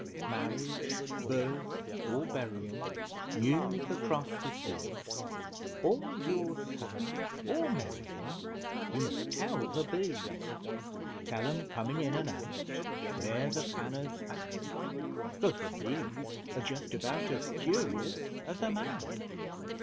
Marriage, birth or buryin', News across the seas, All you're sad or merry in, You must tell the Bees. Tell 'em coming in an' out, Where the Fanners fan, 'Cause the Bees are justabout As curious as a man!